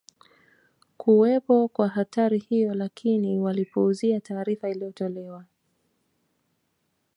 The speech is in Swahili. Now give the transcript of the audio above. kuwepo kwa hatari hiyo lakini walipuuzia taarifa iliyotolewa